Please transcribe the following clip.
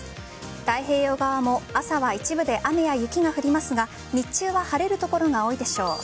太平洋側も朝は一部で雨が雪が降りますが日中は晴れる所が多いでしょう。